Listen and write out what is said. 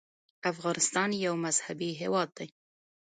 افغانستان یو مذهبي هېواد دی.